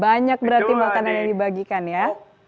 banyak berarti makanan yang dibagikan ya